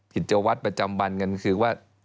ผิดเจ้าวัดประจำบันกันคือว่า